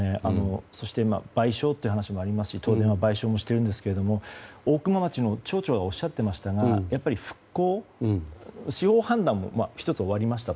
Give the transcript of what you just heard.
そして賠償という話もありますし東電は賠償もしているんですが大熊町の町長がおっしゃっていましたがやっぱり復興司法判断も１つ終わりました。